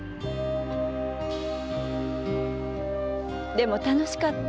でも楽しかった。